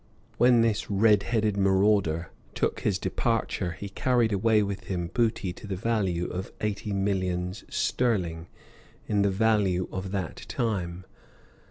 When this red handed marauder took his departure he carried away with him booty to the value of eighty millions sterling in the value of that time.